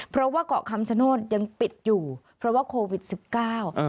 เพราะว่าเกาะคำชโนธยังปิดอยู่เพราะว่าโควิดสิบเก้า